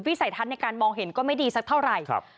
สัยทัศน์ในการมองเห็นก็ไม่ดีสักเท่าไหร่